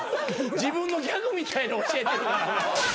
自分のギャグみたいに教えてるから。